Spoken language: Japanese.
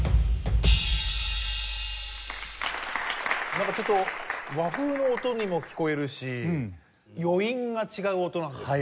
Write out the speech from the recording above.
なんかちょっと和風の音にも聴こえるし余韻が違う音なんですね。